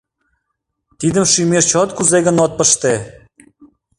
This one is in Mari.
Тидым шӱмеш чот кузе гын от пыште?